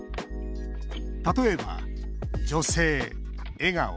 例えば「女性」「笑顔」